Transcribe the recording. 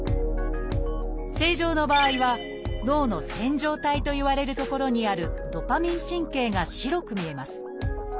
正常な場合は脳の「線条体」といわれる所にあるドパミン神経が白く見えます。